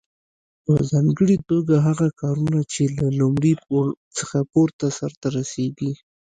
په ځانګړي توګه هغه کارونه چې له لومړي پوړ څخه پورته سرته رسیږي.